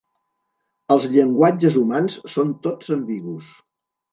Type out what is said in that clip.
Els llenguatges humans són tots ambigus.